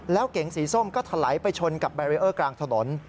แล้วเก๋งสีส้มก็ถลายไปชนกับแบรีเออร์กลางถนน